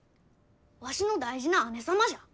わしの大事な姉様じゃ。